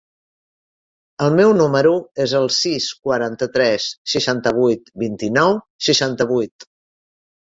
El meu número es el sis, quaranta-tres, seixanta-vuit, vint-i-nou, seixanta-vuit.